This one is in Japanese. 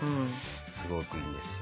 すごくいいんですよ。